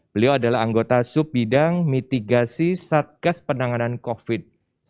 beliau adalah anggota sub bidang mitigasi satgas penanganan covid sembilan belas